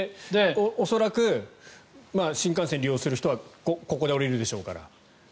恐らく新幹線を利用する人はここで降りるでしょうから。